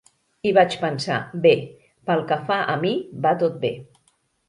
I vaig pensar, "Bé, pel que fa a mi va tot bé.